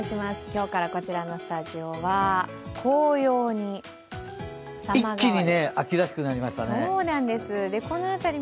今日からこちらのスタジオは紅葉に様変わり。